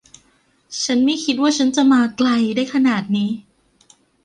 ฉันไม่คิดว่าฉันจะมาไกลได้ขนาดนี้